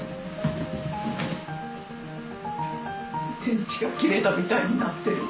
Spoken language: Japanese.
電池が切れたみたいになってる。